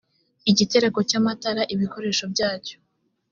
igitereko cy amatara ibikoresho byacyo